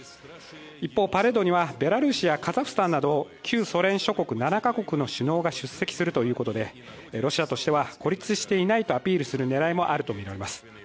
一方、パレードにはベラルーシやカザフスタンなど旧ソ連諸国７か国の首脳が出席するということでロシアとしては屹立していないとアピールする狙いもあるとみられます。